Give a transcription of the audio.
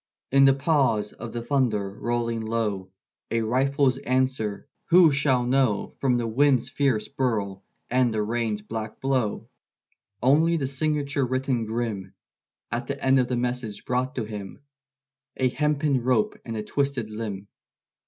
In the pause of the thunder rolling low, A rifle's answer who shall know From the wind's fierce burl and the rain's blackblow? Only the signature written grim At the end of the message brought to him A hempen rope and a twisted limb.